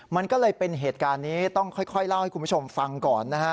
มันก็เลยเป็นเหตุการณ์นี้ต้องค่อยเล่าให้คุณผู้ชมฟังก่อนนะฮะ